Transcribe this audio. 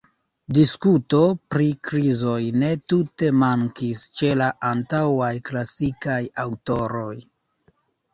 Diskuto pri krizoj ne tute mankis ĉe la antaŭaj klasikaj aŭtoroj.